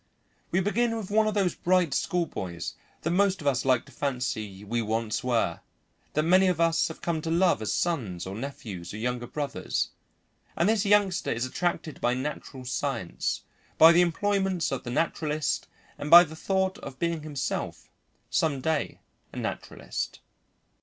We begin with one of those bright schoolboys that most of us like to fancy we once were, that many of us have come to love as sons or nephews or younger brothers, and this youngster is attracted by natural science, by the employments of the naturalist and by the thought of being himself some day a naturalist.